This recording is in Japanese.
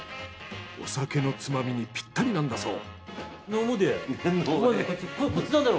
お酒のつまみにピッタリなんだそう。